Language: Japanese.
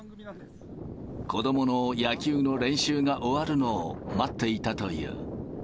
子どもの野球の練習が終わるのを待っていたという。